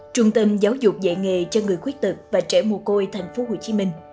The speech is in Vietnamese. trung tâm giáo dục dạy nghề cho người khuyết tật và trẻ mồ côi thành phố hồ chí minh